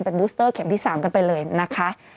เป็นบูสเตอร์เข็มที่๓กันไปเลยนะคะ